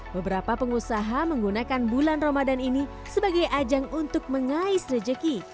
beberapa pengusaha menggunakan bulan ramadan ini sebagai ajang untuk mengais rejeki